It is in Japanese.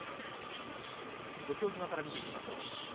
土俵際から見ていきましょう。